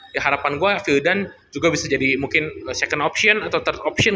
ya harapan gue vio dan juga bisa jadi mungkin second option atau third option